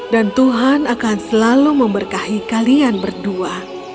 tuhan akan selalu memberkahi kalian berdua